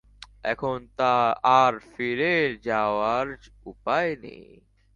এখন আর ফিরে যাওয়ার উপায় নেই!